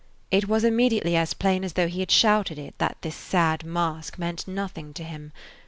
It was immediately as plain as though he had shouted it that this sad mask meant nothing to him.